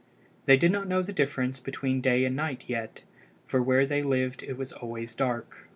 They did not know the difference between day and night yet, for where they lived it was always dark.